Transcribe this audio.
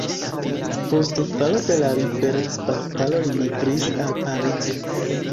Post falo de la liberecbatalo li migris al Parizo.